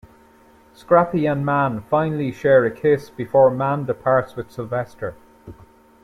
Scrappie and Mann finally share a kiss before Mann departs with Sylvester.